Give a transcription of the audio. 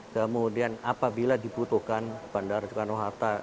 kemudian apabila dibutuhkan bandara soekarno hatta